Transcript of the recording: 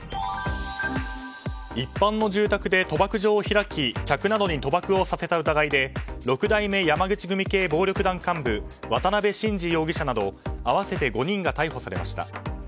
一般の住宅で賭博場を開き客などに賭博をさせた疑いで６代目山口組系暴力団幹部渡辺真治容疑者など合わせて５人が逮捕されました。